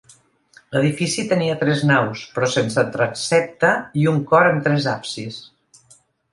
L'edifici tenia tres naus, però sense transsepte, i un cor amb tres absis.